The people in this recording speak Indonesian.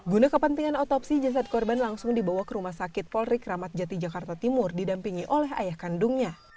guna kepentingan otopsi jasad korban langsung dibawa ke rumah sakit polri kramat jati jakarta timur didampingi oleh ayah kandungnya